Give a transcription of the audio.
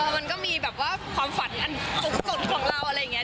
มันก็มีแบบว่าความฝันอันสุดของเราอะไรอย่างนี้